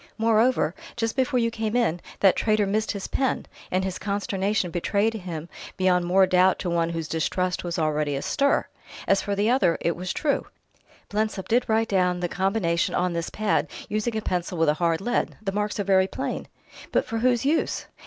Moreover, just before you came in, that traitor missed his pen, and his consternation betrayed him beyond more doubt to one whose distrust was already astir. As for the other, it was true: Blensop did write down the combination on this pad, using a pencil with a hard lead; the marks are very plain." "But for whose use?"